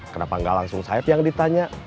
kenapa gak langsung saeb yang ditanya